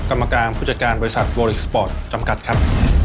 กรรมการผู้จัดการบริษัทวอลิสปอร์ตจำกัดครับ